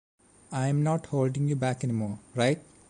I am not holding you back anymore, right?